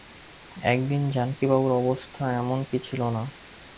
একদিন জানকীবাবুর অবস্থা এমন ছিল না।